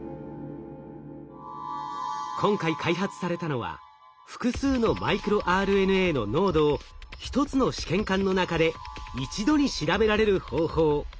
今回開発されたのは複数のマイクロＲＮＡの濃度を１つの試験管の中で一度に調べられる方法。